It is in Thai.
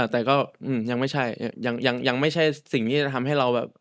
แต่ก็ยังไม่ใช่สิ่งที่จะทำให้เราแบบ